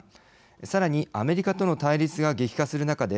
さらに、アメリカとの対立が激化する中で